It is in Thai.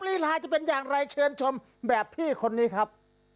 ลีลาจะเป็นอย่างไรเชิญชมแบบพี่คนนี้ครับ